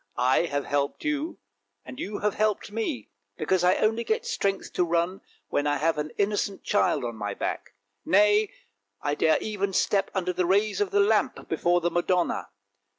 " I have helped you, and you have helped me, because I only get strength to run when I have an innocent child on my back! Nay, I dare even step under the rays of the lamp before the Madonna.